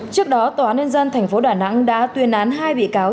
trước đó tòa án nhân dân thành phố đà nẵng đã tuyên án hai bị cáo